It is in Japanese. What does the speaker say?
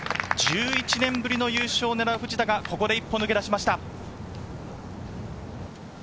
１１年ぶりの優勝をねらう藤田がここで一歩抜け出しました。